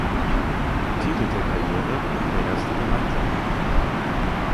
Titel der Karriere und der erste gemeinsame.